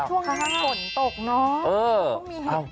แล้วช่วงนี้ฝนตกเนอะไม่มีเห็นแน่